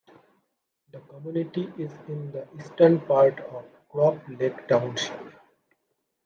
The community is in the eastern part of Carp Lake Township.